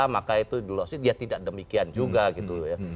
maka itu dia tidak demikian juga gitu ya